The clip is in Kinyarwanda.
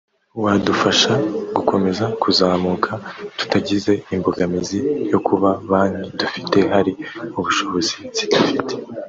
wadufasha gukomeza kuzamuka tutagize imbogamizi yo kuba banki dufite hari ubushobozi zidafite